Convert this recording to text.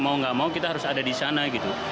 mau gak mau kita harus ada di sana gitu